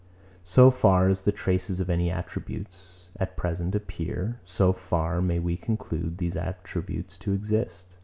So far as the traces of any attributes, at present, appear, so far may we conclude these attributes to exist.